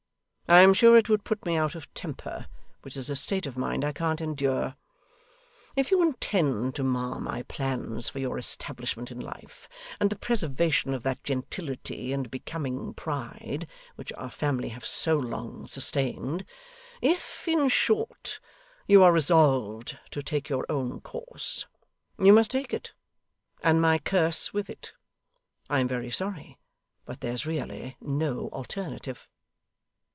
I am sure it would put me out of temper, which is a state of mind I can't endure. If you intend to mar my plans for your establishment in life, and the preservation of that gentility and becoming pride, which our family have so long sustained if, in short, you are resolved to take your own course, you must take it, and my curse with it. I am very sorry, but there's really no alternative.